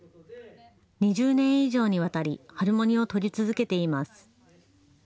２０年以上にわたりハルモニを撮り続けています。